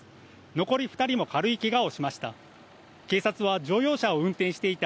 残り２人も軽いけがをしました。